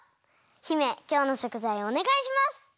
姫きょうのしょくざいをおねがいします！